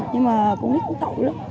nhưng mà con nít cũng tội lắm